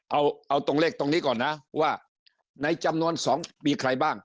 เอาตรงเลขตรงนี้ก่อนนะว่าในจำนวน๒มีใครบ้าง